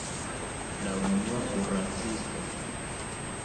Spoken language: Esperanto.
La unua kuracisto!